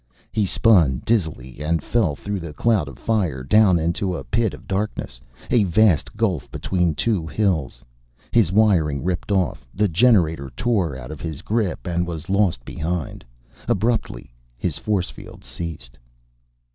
He spun dizzily and fell through the cloud of fire, down into a pit of darkness, a vast gulf between two hills. His wiring ripped off. The generator tore out of his grip and was lost behind. Abruptly, his force field ceased.